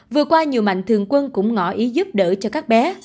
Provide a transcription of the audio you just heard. vừa qua nhiều mạnh thường quân cũng ngỏ ý giúp đỡ cho các bé